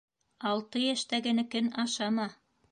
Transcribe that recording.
Алты йәштәгенекен ашама.